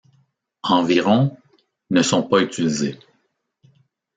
Environ ne sont pas utilisés.